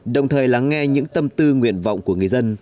đồng thời lắng nghe những tâm tư nguyện vọng của người dân